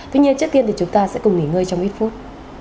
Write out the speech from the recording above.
tuy nhiên trước tiên thì chúng ta sẽ cùng nghỉ ngơi trong ít phút